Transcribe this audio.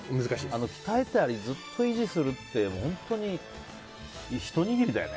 鍛えたりずっと維持するって本当にひと握りだよね。